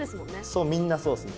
そうみんなそうっすね。